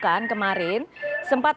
kita akan mencari penyelesaian yang menarik